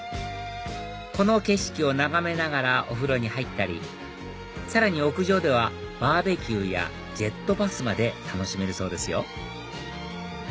この景色を眺めながらお風呂に入ったりさらに屋上ではバーベキューやジェットバスまで楽しめるそうですよ